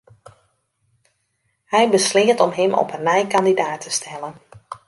Hy besleat om him op 'e nij kandidaat te stellen.